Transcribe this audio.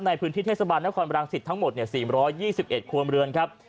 ในพื้นที่เทศบาลนครบรังสิตทั้งหมด๔๒๑ครัวเรือนครับ